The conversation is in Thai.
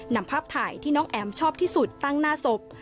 นำภาพถ่ายที่น้องแอ๋มชอบที่สุดตั้งหน้าศพ